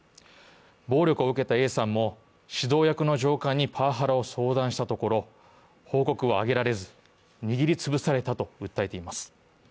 暴力を受けたＡさんも指導役の上官にパワハラを相談したところ、報告は上げれず、握りつぶされたと話しています。